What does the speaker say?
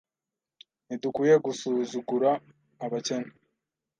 Ntidukwiye gusuzugura abakene.